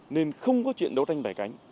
nên không có chuyện đấu tranh bẻ cánh